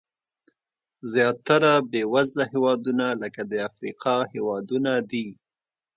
زیاتره بېوزله هېوادونه لکه د افریقا هېوادونه دي.